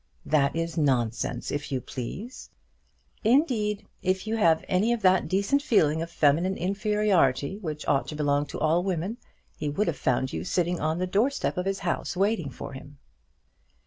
"That is nonsense, if you please." "Indeed if you had any of that decent feeling of feminine inferiority which ought to belong to all women, he would have found you sitting on the door step of his house waiting for him."